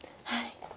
はい。